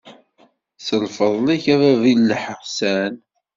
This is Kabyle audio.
S lfeḍl-ik a bab n leḥsan.